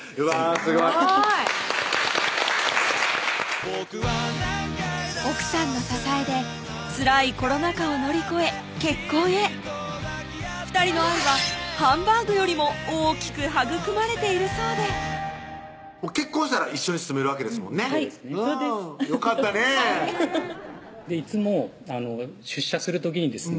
すごい奥さんの支えでつらいコロナ禍を乗り越え結婚へ２人の愛はハンバーグよりも大きく育まれているそうで結婚したら一緒に住めるわけですもんねよかったねはいいつも出社する時にですね